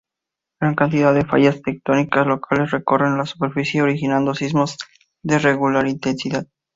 Gran cantidad de fallas tectónicas locales recorren la superficie, originando sismos de regular intensidad.